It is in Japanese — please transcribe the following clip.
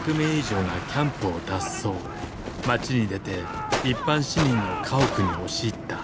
街に出て一般市民の家屋に押し入った。